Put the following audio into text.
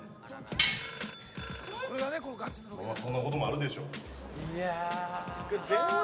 そんなこともあるでしょう。